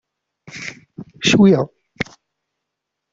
Ccwi!